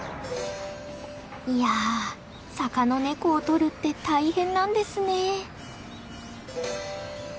いや坂のネコを撮るって大変なんですね。